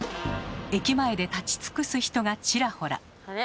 駅前で立ち尽くす人がちらほら。